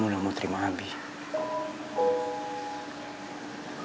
mungkin ini cobaan